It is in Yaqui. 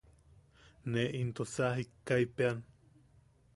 Ne into sa jikkaipeʼean.